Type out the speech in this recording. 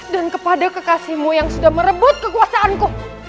dan kepada kekasihmu yang sudah merebut kekuasaanku